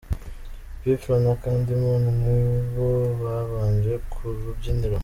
P Fla na Candy Moon nibo babanje ku rubyiniro